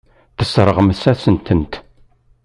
Tesseṛɣem-asent-tent.